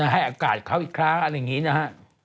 ให้อากาศเขาอีกครั้งอะไรอย่างนี้นะฮะ